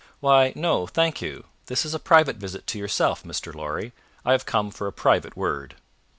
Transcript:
"Why, no, thank you; this is a private visit to yourself, Mr. Lorry; I have come for a private word."